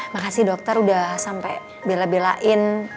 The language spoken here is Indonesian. makasih dokter udah sampai bela belain